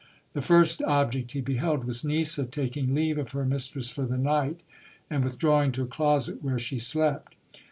The first object he beheld was Nisa, taking leave of her mistress for the night, and withdrawing to a closet where she slept.